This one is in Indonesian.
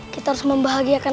kita harus membahagiakan